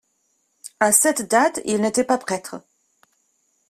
À cette date il n'était pas prêtre.